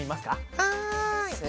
はい。